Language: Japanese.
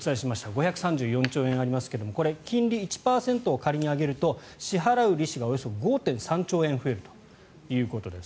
５３４兆円ありますがこれは金利１％を仮に上げると支払う利子がおよそ５．３兆円増えるということです。